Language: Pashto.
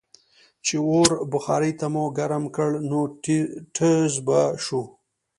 چې اور بخارۍ ته مو ګرم کړ نو ټیزززز به شو.